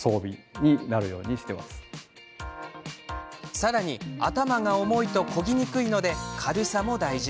さらに、頭が重いとこぎにくいので軽さも大事。